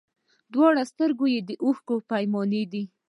دواړي سترګي یې د اوښکو پیمانې دي